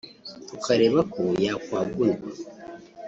tukareba ko yakwagurwa